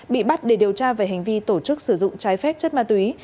bị bắt để điều tra về hành vi tổ chức sử dụng trái phép chất ma túy